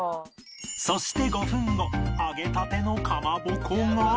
そして５分後揚げたてのかまぼこが